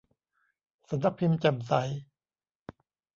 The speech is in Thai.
สำนักพิมพ์แจ่มใส